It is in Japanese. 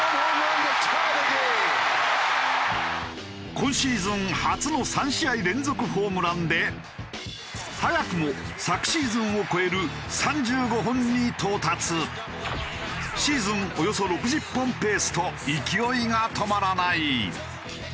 今シーズン初の３試合連続ホームランで早くも昨シーズンを超える３５本に到達。と勢いが止まらない！